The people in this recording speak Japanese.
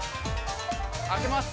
開けます！